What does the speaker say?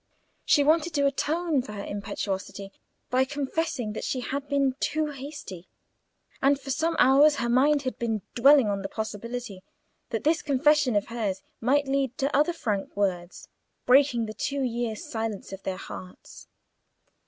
She wanted to atone for her impetuosity by confessing that she had been too hasty, and for some hours her mind had been dwelling on the possibility that this confession of hers might lead to other frank words breaking the two years' silence of their hearts.